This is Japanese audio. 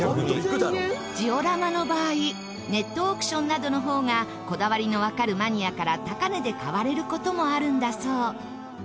ジオラマの場合ネットオークションなどの方がこだわりのわかるマニアから高値で買われる事もあるんだそう。